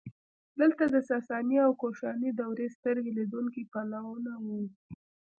دلته د ساساني او کوشاني دورې سترګې لیدونکي پلونه وو